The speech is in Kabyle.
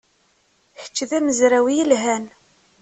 Kečč d amezraw yelhan.